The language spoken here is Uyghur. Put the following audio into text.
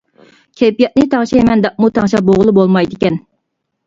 كەيپىياتنى تەڭشەيمەن دەپمۇ تەڭشەپ بولغىلى بولمايدىكەن.